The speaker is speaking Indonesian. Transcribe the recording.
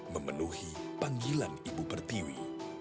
memenuhi panggilan ibu pertiwi